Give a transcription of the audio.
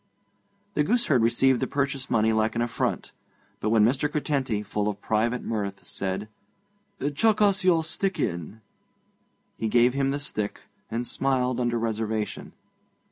The gooseherd received the purchase money like an affront, but when Mr. Curtenty, full of private mirth, said, 'Chuck us your stick in,' he give him the stick, and smiled under reservation.